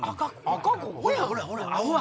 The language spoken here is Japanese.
赤ここやん！